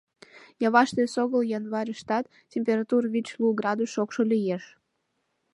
— Яваште эсогыл январьыштат температур вич-лу градус шокшо лиеш.